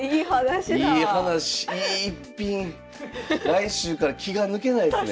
来週から気が抜けないですね。